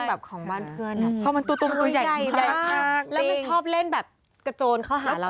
แล้วมันชอบเล่นแบบกระโจนเข้าหาเรา